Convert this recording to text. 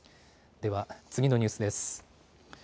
では、次のニュースです。